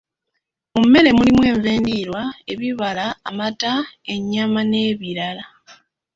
Mu mmere mulimu enva endiirwa, ebibala, amata, ennyama, n'ebirala